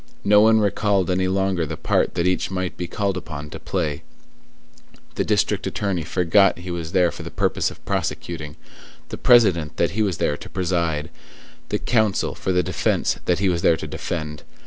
No one recalled any longer the part that each might be called upon to play; the district attorney forgot he was there for the purpose of prosecuting, the President that he was there to preside, the counsel for the defence that he was there to defend.